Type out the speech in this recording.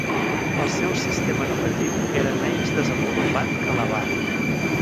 El seu sistema educatiu era menys desenvolupat que l'avar.